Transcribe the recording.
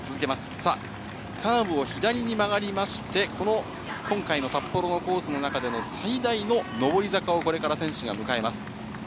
さあ、カーブを左に曲がりまして、この今回の札幌のコースの中での、最大の上り坂をこれから選手が迎えます。